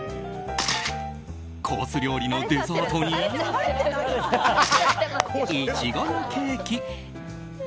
コース料理のデザートにイチゴのケーキ。